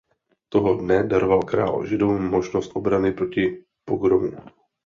Toho dne daroval král Židům možnost obrany proti pogromu.